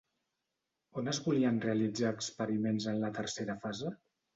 On es volien realitzar experiments en la tercera fase?